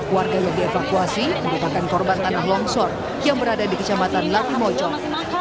warga yang dievakuasi merupakan korban tanah longsor yang berada di kecamatan latimojong